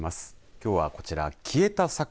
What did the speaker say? きょうはこちら消えた桜